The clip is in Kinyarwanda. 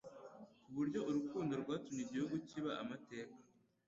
kuburyo urukundo rwatumye igihugu kiba amateka